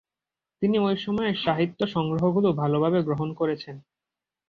তিনি ঐ-সময়ের সাহিত্য-সংগ্রহগুলো ভালোভাবে গ্রহণ করেছেন।